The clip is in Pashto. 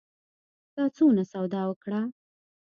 تا څونه سودا وکړه؟